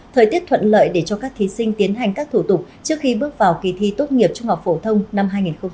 thời tiết thuận lợi để cho các thí sinh tiến hành các thủ tục trước khi bước vào kỳ thi tốt nghiệp trung học phổ thông năm hai nghìn hai mươi